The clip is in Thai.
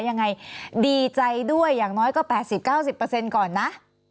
ยังไงดีใจด้วยอย่างน้อยก็๘๐๙๐ก่อนนะ